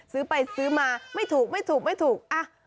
ซื้อไปซื้อมาไม่ถูกไม่ถูกไม่ถูก